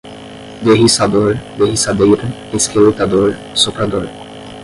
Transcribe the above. derriçador, derriçadeira, esqueletador, soprador